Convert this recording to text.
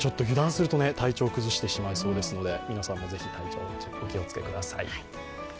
油断すると体調を崩してしまいそうですので皆さんもぜひ体調、お気をつけください。